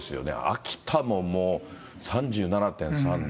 秋田ももう３７．３度。